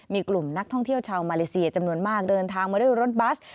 มีกลุ่มนักท่องเที่ยวชาวมาเลเซียจำนวนมากเดินทางมาด้วยรถบัส